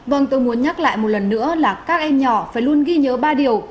vâng tôi muốn nhắc lại một lần nữa là các em nhỏ phải luôn ghi nhớ ba điều